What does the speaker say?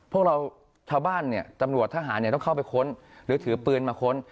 พวกเราชาวบ้านเนี่ยตำรวจทหารต้องเข้าไปค้นหรือถือปืนมาค้น